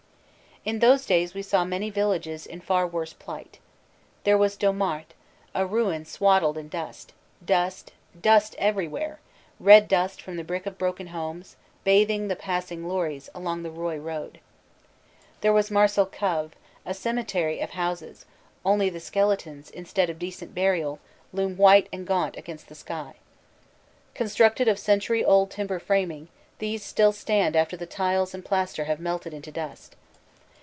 In those days we saw many villages in far worse plight. There was Domart, a ruin swaddled in dust; dust, dust every where, red dust from the brick of broken homes, bathing the passing lorries along the Roye road. There was Marcelcave, a cemetery of houses, only the skeletons, instead of decent burial, loom white and gaunt against the sky. Constructed of century old timber f raming, these still stand after the tiles and plaster have melted into dust.